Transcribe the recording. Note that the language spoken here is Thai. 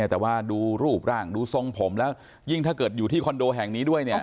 แต่ว่าดูรูปร่างดูทรงผมแล้วยิ่งถ้าเกิดอยู่ที่คอนโดแห่งนี้ด้วย